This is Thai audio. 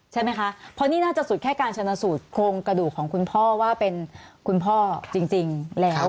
ใช่ไหมคะเพราะนี่น่าจะสุดแค่การชนะสูตรโครงกระดูกของคุณพ่อว่าเป็นคุณพ่อจริงแล้ว